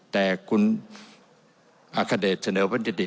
แต่คุณอัครเดชน์เสนอไม่ใช่ยศติ